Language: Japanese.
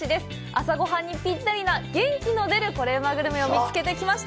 朝ごはんにぴったりな、元気の出るコレうまグルメを見つけてきました。